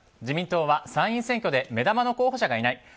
自民党は参院選挙で目玉の候補者がいない。